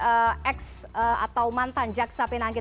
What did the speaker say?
ex atau mantan jaksa pinangkit